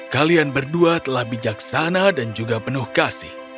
kalian berdua telah bijaksana dan juga penuh kasih